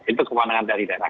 itu kekuatan dari daerah